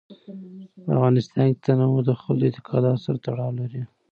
په افغانستان کې تنوع د خلکو د اعتقاداتو سره تړاو لري.